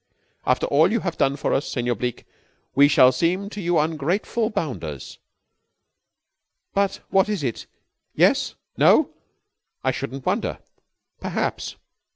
"After all you have done for us, Senor Bleke, we shall seem to you ungrateful bounders, but what is it? Yes? No? I shouldn't wonder, perhaps.